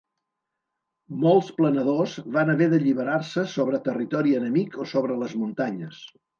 Molts planadors van haver d'alliberar-se sobre territori enemic o sobre les muntanyes.